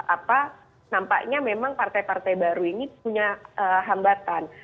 apa nampaknya memang partai partai baru ini punya hambatan